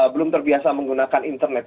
belum terbiasa menggunakan internet